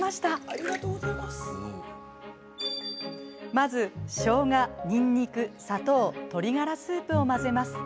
まずしょうがにんにく砂糖鶏ガラスープを混ぜます。